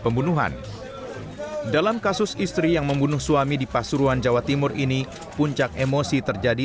pembunuhan dalam kasus istri yang membunuh suami di pasuruan jawa timur ini puncak emosi terjadi